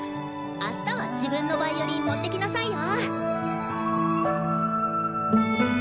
あしたは自分のヴァイオリン持ってきなさいよ。